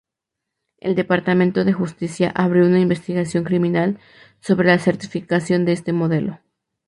El Departamento de Justicia abrió una investigación criminal sobre la certificación de este modelo.